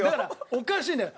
おかしいんだよ。